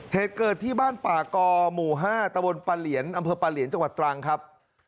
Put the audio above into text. เหตุเกิดที่บ้านป่ากอหมู่๕ตะวนปลาเหลียนอำเภอปลาเหลียนจังหวัดตรังครับ